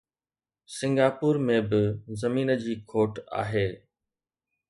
Singapore ۾ به زمين جي کوٽ آهي.